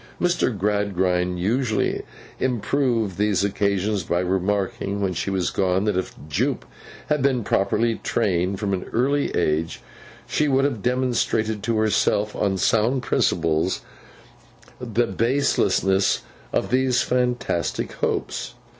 Mr. Gradgrind usually improved these occasions by remarking, when she was gone, that if Jupe had been properly trained from an early age she would have remonstrated to herself on sound principles the baselessness of these fantastic hopes.